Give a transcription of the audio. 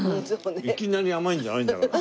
いきなり甘いんじゃないんだから。